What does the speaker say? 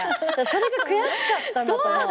それが悔しかったんだと思う。